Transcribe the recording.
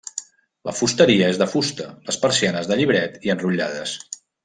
La fusteria és de fusta, les persianes de llibret i enrotllades.